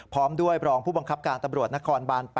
พร้อมด้วยรองผู้บังคับการตำรวจนครบาน๘